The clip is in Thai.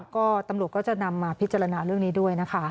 ก็ตำรวจก็จะนำมาพิจารณาเรื่องนี้ด้วยนะคะ